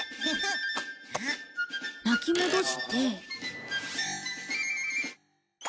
巻き戻して。